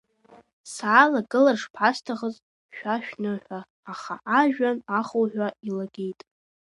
Саалагылар шԥасҭахыз шәа шәныҳәа, аха ажәҩан ахуҳәа илагеит…